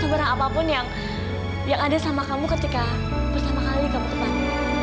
seberang apapun yang ada sama kamu ketika pertama kali kamu tepat